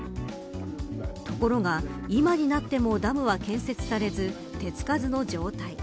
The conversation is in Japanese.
ところが今になってもダムは建設されず手付かずの状態。